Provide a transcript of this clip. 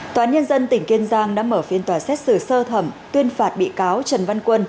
tòa án nhân dân tỉnh kiên giang đã mở phiên tòa xét xử sơ thẩm tuyên phạt bị cáo trần văn quân